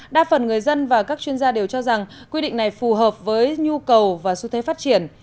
đa phần người dân và các chuyên gia đều cho rằng quy định này phù hợp với nhu cầu và xu thế phát triển